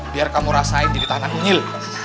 biar kamu rasain jadi tahanan unyil